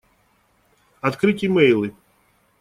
Открыть имейлы.